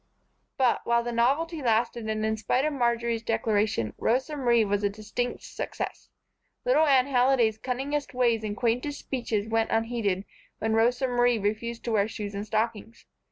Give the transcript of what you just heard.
But, while the novelty lasted and in spite of Marjory's declaration, Rosa Marie was a distinct success. Little Anne Halliday's cunningest ways and quaintest speeches went unheeded when Rosa Marie refused to wear shoes and stockings.